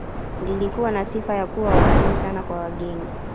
Lilikuwa na sifa ya kuwa wakarimu sana kwa wageni